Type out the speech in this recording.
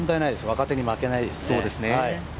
若手に負けないですね。